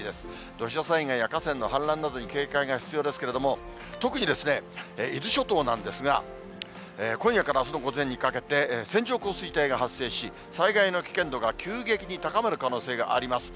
土砂災害や河川の氾濫などに警戒が必要ですけれども、特に伊豆諸島なんですが、今夜からあすの午前にかけて、線状降水帯が発生し、災害の危険度が急激に高まる可能性があります。